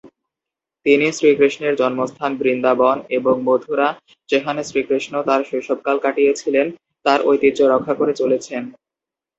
তিনি শ্রীকৃষ্ণের জন্মস্থান বৃন্দাবন এবং মথুরা, যেখানে শ্রীকৃষ্ণ তাঁর শৈশবকাল কাটিয়েছিলেন, তার ঐতিহ্য রক্ষা করে চলেছেন।